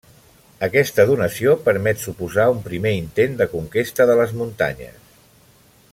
Aquesta donació permet suposar un primer intent de conquesta de les muntanyes.